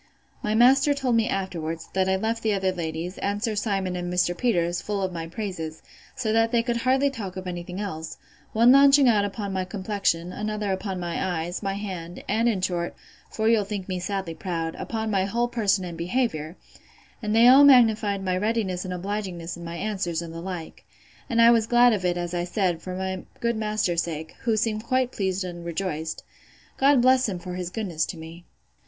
My master told me afterwards, that I left the other ladies, and Sir Simon and Mr. Peters, full of my praises: so that they could hardly talk of any thing else; one launching out upon my complexion, another upon my eyes, my hand, and, in short, for you'll think me sadly proud, upon my whole person and behaviour; and they all magnified my readiness and obligingness in my answers, and the like: And I was glad of it, as I said, for my good master's sake, who seemed quite pleased and rejoiced. God bless him for his goodness to me!